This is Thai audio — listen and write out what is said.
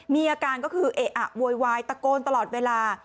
มีอาการก็คือเอะอะโวยวายตะโกนตลอดเวลา